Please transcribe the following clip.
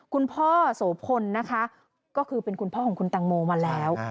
คุณพ่อโสพลนะคะก็คือเป็นคุณพ่อของคุณตังโมมาแล้ว